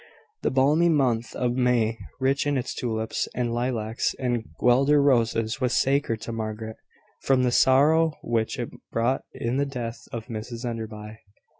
The balmy month of May, rich in its tulips, and lilacs, and guelder roses, was sacred to Margaret, from the sorrow which it brought in the death of Mrs Enderby.